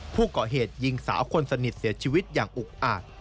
ผู้ก่อเหตุยิงสาวคนสนิทเสียชีวิตอย่างอุกอาจ